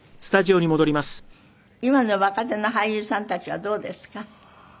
今の若手の俳優さんたちはどうですか？